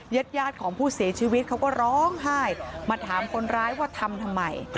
ญาติยาดของผู้เสียชีวิตเขาก็ร้องไห้มาถามคนร้ายว่าทำทำไม